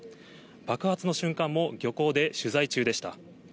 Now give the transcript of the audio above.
爆発の瞬間も漁港で取材中でした。